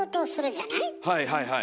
はいはいはい。